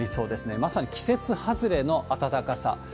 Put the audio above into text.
まさに季節外れの暖かさ。